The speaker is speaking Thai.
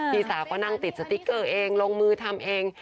พี่สาวก็นั่งติดสติ๊กเกอร์เองลงมือทำเอง